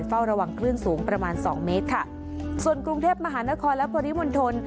เฝ้าระวังคลื่นสูงประมาณสองเมตรค่ะส่วนกรุงเทพมหานครและปริมณฑล